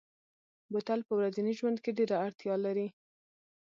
بوتل په ورځني ژوند کې ډېره اړتیا لري.